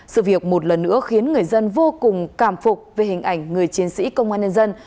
sự việc một lần nữa khiến người dân vô cùng cảm phục về hình ảnh người chiến sĩ công an nhân dân